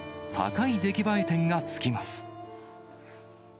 高い出来栄え点がつきます。